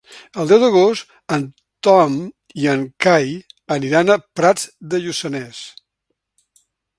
El deu d'agost en Tom i en Cai aniran a Prats de Lluçanès.